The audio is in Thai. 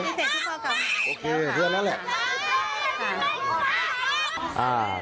โอเคเสียงนั้นแหละ